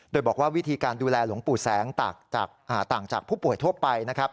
โดยบอกว่าวิธีการดูแลหลวงปู่แสงต่างจากผู้ป่วยทั่วไปนะครับ